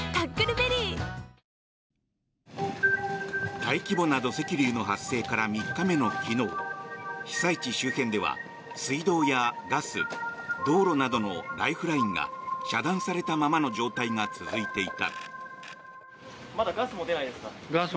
大規模な土石流の発生から３日目の昨日被災地周辺では水道やガス、道路などのライフラインが遮断されたままの状態が続いていた。